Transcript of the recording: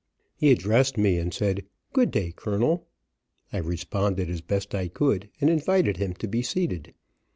He addressed me, and said, "Good day, Colonel." I responded as best I could, and invited him to be seated.